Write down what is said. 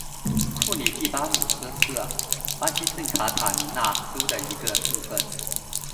库里蒂巴努斯是巴西圣卡塔琳娜州的一个市镇。